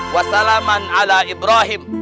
wasalaman ala ibrahim